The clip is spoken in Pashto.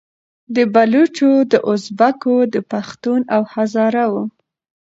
د بــــلوچـــو، د اُزبـــــــــــــــــکو، د پــــښــــتــــون او هـــــزاره وو